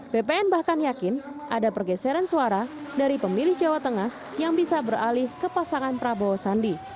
bpn bahkan yakin ada pergeseran suara dari pemilih jawa tengah yang bisa beralih ke pasangan prabowo sandi